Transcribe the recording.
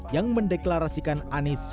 yang mendeklarasikan anis sebagian